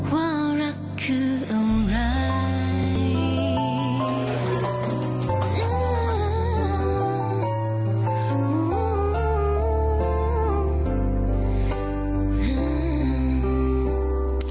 ว่ารักคืออะไร